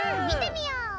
みてみよう！